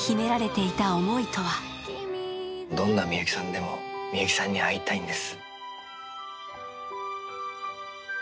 どんなみゆきさんでもみゆきさんに会いたいんです。